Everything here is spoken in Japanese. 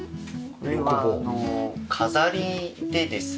これは飾りでですね